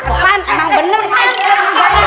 emang bener kan